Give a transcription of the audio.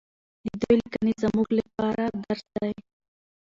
د دوی لیکنې زموږ لپاره درس دی.